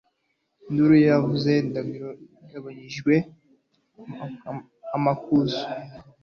Induru yavuye kuri Ndago ingabo nyendaga amakuza